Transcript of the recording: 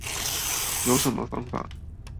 有什麼方法